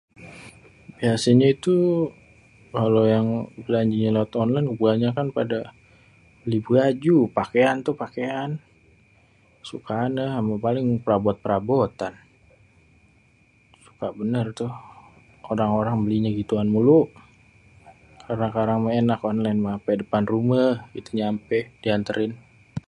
bisanyé tuh kalo yang belanjanyé lewat onlen tu kebanyakan pada beli buaaju, pakéan tu pakéan. suka ada paling perabot-perabotan suka bénér tuh orang-orang belinyé ituan mulu.sekarang-sekarang mah enak online mah ampé depan rumah itu nyampé di anterin